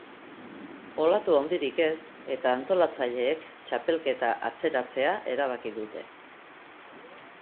Olatu handirik ez eta antolatzaileek txapelketa atzeratzea erabaki dute.